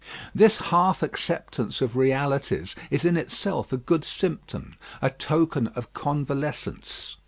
This half acceptance of realities is in itself a good symptom, a token of convalescence.